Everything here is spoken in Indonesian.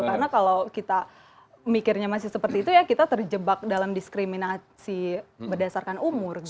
karena kalau kita mikirnya masih seperti itu ya kita terjebak dalam diskriminasi berdasarkan umur gitu